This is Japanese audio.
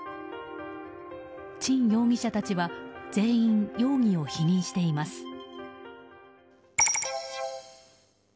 陳容疑者たちは全員容疑を否認しています。